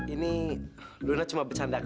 ini luna cuma bercanda kak